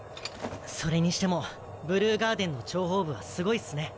それにしてもブルーガーデンの諜報部はすごいっすね。